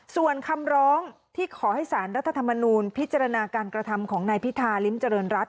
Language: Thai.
ส่วนคำร้องที่ขอให้สารรัฐธรรมนูลพิจารณาการกระทำของนายพิธาริมเจริญรัฐ